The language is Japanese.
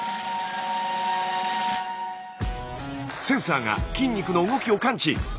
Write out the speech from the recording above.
センサーが筋肉の動きを感知。